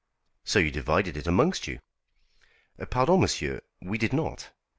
"So you divided it amongst you." "Pardon, monsieur; we did not.